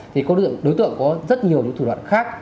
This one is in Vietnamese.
thì đối tượng có rất nhiều thủ đoạn khác